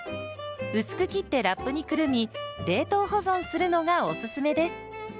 薄く切ってラップにくるみ冷凍保存するのがおすすめです。